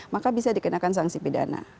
maka bisa dikenakan sanksi pidana